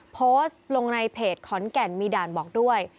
โพสต์ลงในเพจขอนแก่นมีด่านบอกด้วย